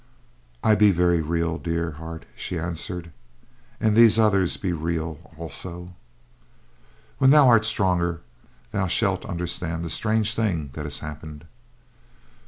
"I be very real, dear heart," she answered, "and these others be real, also. When thou art stronger, thou shalt understand the strange thing that has happened.